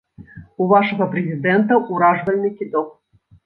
У вашага прэзідэнта ўражвальны кідок!